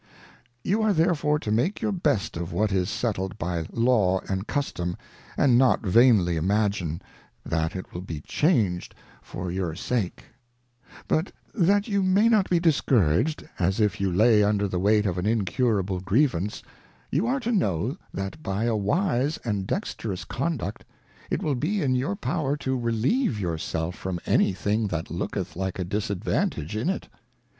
// You are therefore to make your best of what is settled by Law and Custom, and not vainly imagine, that it will be changed I for lo Advice to a Daughter. for your sakei But that you may not be discouraged, as if you lay under the weight of an incurable Grievance, you are to know, that by a wise and dexterous Conduct, it will be in your power to relieve your self from way thing that looketh like a disadvantage in it.